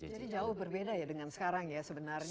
jadi jauh berbeda ya dengan sekarang ya sebenarnya